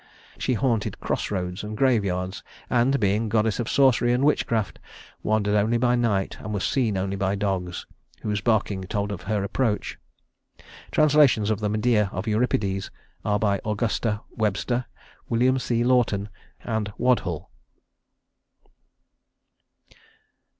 She haunted cross roads and graveyards; and, being goddess of sorcery and witchcraft, wandered only by night and was seen only by dogs, whose barking told of her approach. Translations of the Medea of Euripides are by Augusta Webster, William C. Lawton, and Wodhull.